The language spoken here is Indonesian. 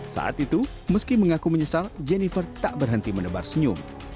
saat itu meski mengaku menyesal jennifer tak berhenti menebar senyum